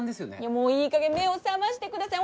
もういいかげん目を覚まして下さい！